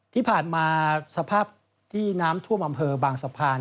ที่ผ่านมาสภาพที่น้ำท่วมอำเภอบางสะพาน